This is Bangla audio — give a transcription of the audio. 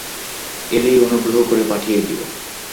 এলেই অনুগ্রহ করে পাঠিয়ে দিও।